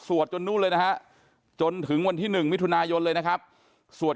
สวดระเบิดนู่นนะคะจนถึงวันที่๑มิถุนาญนเลยนะครับสวด